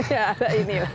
ya ada inilah